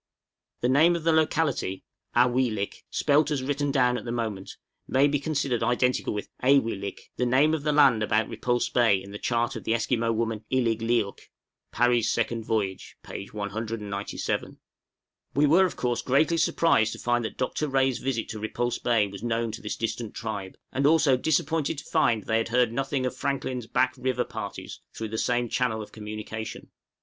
The name of the locality, A wee lik (spelt as written down at the moment), may be considered identical with "Ay wee lik," the name of the land about Repulse Bay in the chart of the Esquimaux woman, Iligliuk (Parry's 'Second Voyage,' p. 197). We were of course greatly surprised to find that Dr. Rae's visit to Repulse Bay was known to this distant tribe; and also disappointed to find they had heard nothing of Franklin's Back River parties through the same channel of communication.